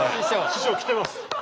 師匠来てます。